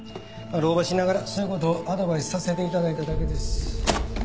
老婆心ながらそういう事をアドバイスさせて頂いただけです。